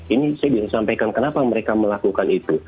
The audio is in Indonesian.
ini saya bisa sampaikan kenapa mereka melakukan itu